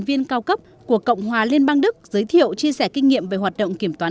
viên cao cấp của cộng hòa liên bang đức giới thiệu chia sẻ kinh nghiệm về hoạt động kiểm toán